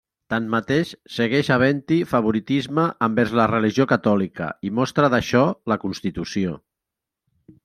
Tanmateix, segueix havent-hi favoritisme envers la religió catòlica i mostra d'això la Constitució.